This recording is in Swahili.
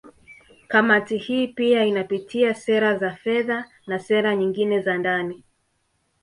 Kamati hii pia inapitia sera za fedha na sera nyingine za ndani